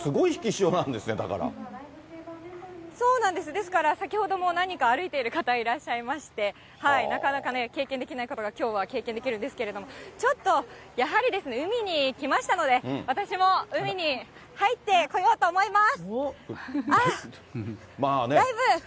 ですから、先ほども何人か歩いてる方いらっしゃいまして、なかなかね、経験できないことがきょうは経験できるんですけれども、ちょっとやはりですね、海に来ましたので、私も海に入ってこようと思います。